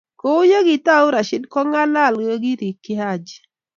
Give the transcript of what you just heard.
kou ye kitou Rashid kongalal kiyerikchi Haji.